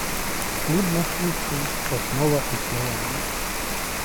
Хліб насущний - основа існування